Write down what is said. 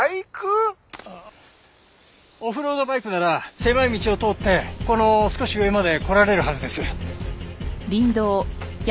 オフロードバイクなら狭い道を通ってこの少し上まで来られるはずです。